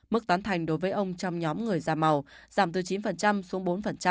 mức tán thành đối với ông trong nhóm người da màu giảm từ chín xuống bốn